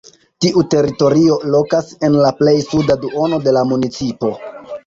Tiu teritorio lokas en la plej suda duono de la municipo.